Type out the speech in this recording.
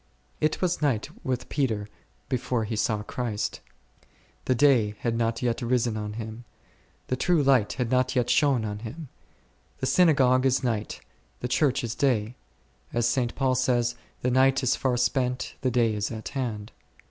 It was night with Peter before he saw Christ. The day had not yet risen on him ; the true light had not yet shone on him. The Synagogue is night, the Church is day ; as St. Paul says, The night is far spent, the day is at hand.